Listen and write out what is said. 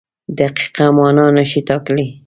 دقیقه مانا نشي ټاکلی.